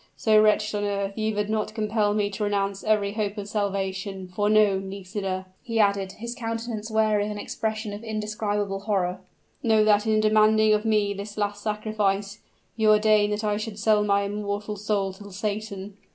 So wretched on earth you would not compel me to renounce every hope of salvation; for, know, Nisida," he added, his countenance wearing an expression of indescribable horror, "know that in demanding of me this last sacrifice, you ordain that I should sell my immortal soul to Satan!"